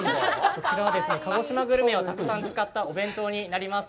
こちらは鹿児島グルメをたくさん使ったお弁当になります。